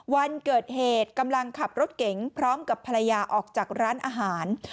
วันเกิดเหตุกำลังขับรถเก๋งพร้อมกับภรรยาออกจากร้านอาหาร